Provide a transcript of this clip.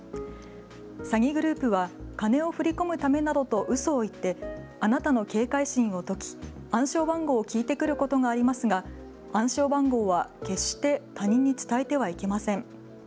詐欺グループは金を振り込むためなどとうそを言ってあなたの警戒心を解き暗証番号を聞いてくることがありますが暗証番号は決して他人に伝えてはいけません。